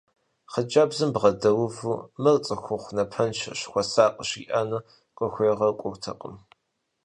Хъыджэбзым бгъэдэувэу мыр цӏыхухъу напэншэщ, хуэсакъ жриӏэну къыхуегъэкӏуртэкъым…